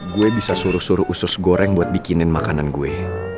gue bisa suruh suruh usus goreng buat bikinin makanan gue